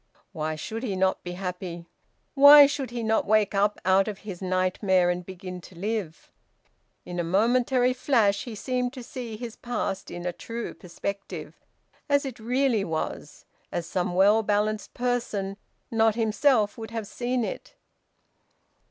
Why should he not he happy? Why should he not wake up out of his nightmare and begin to live? In a momentary flash he seemed to see his past in a true perspective, as it really was, as some well balanced person not himself would have seen it.